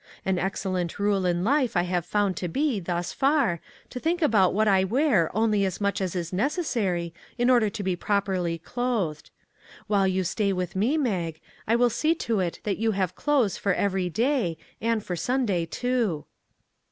An excellent rule in life I have found to be, thus far, to think about what I wear only as much as is necessary in order to be properly clothed. While you stay with me, Mag, I will see to it that you have clothes for every day, and for Sunday, too."